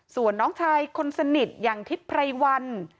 ส่วนน้องชายคนสนิทอย่างทิศไพรวัน